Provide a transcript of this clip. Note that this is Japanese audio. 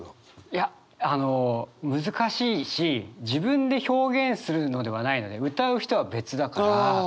いやあの難しいし自分で表現するのではないので歌う人は別だから。